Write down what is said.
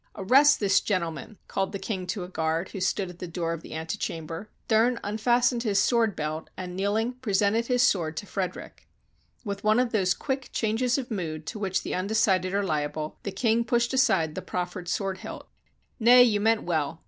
"Arrest this gentleman!" called the king to a guard, who stood at the door of the antechamber. Thurn un fastened his sword belt, and, kneeling, presented his sword to Frederick. With one of those quick changes of mood to which the undecided are liable, the king pushed aside the prof fered sword hilt. "Nay; you meant well.